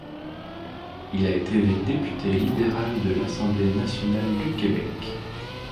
Il a été député libéral de l'Assemblée nationale du Québec.